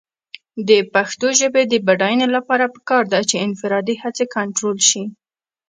د پښتو ژبې د بډاینې لپاره پکار ده چې انفرادي هڅې کنټرول شي.